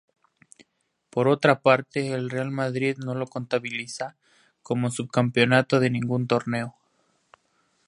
Por otra parte, el Real Madrid no lo contabiliza como subcampeonato de ningún torneo.